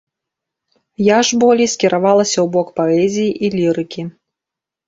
Я ж болей скіравалася ў бок паэзіі і лірыкі.